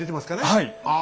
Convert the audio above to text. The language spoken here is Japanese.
はい。